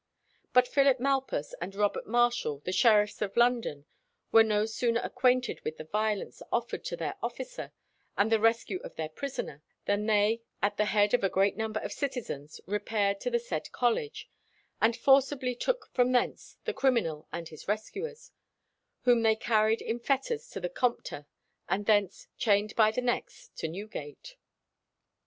"But Phillip Malpas and Robert Marshal, the sheriffs of London, were no sooner acquainted with the violence offered to their officer and the rescue of their prisoner, than they, at the head of a great number of citizens, repaired to the said college, and forcibly took from thence the criminal and his rescuers, whom they carried in fetters to the Compter, and thence, chained by the necks, to Newgate."